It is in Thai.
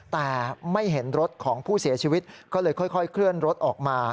แต่ไม่เห็นรถของผู้เสียชีวิตก็เลยค่อยเคลื่อนรถออกมา